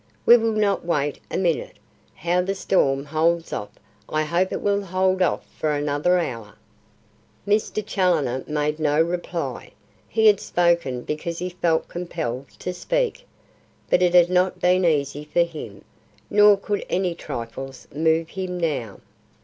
"We will not wait a minute. How the storm holds off. I hope it will hold off for another hour." Mr. Challoner made no reply. He had spoken because he felt compelled to speak, but it had not been easy for him, nor could any trifles move him now.